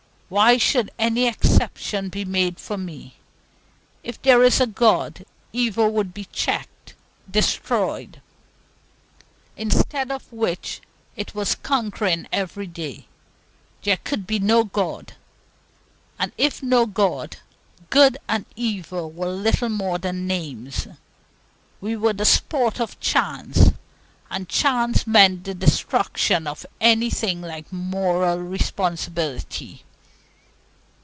Why should any exception be made for me? If there is a God, evil would be checked, destroyed; instead of which, it was conquering every day. There could be no God; and if no God, good and evil were little more than names. We were the sport of chance, and chance meant the destruction of anything like moral responsibility.